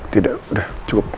tidak udah cukup